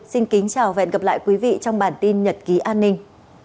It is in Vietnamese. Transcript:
xin kính chào và hẹn gặp lại quý vị trong bản tin nhật ký an ninh